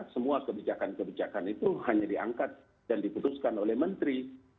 semua kebijakan kebijakan itu hanya diangkat dan diputuskan oleh menteri